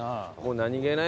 何げない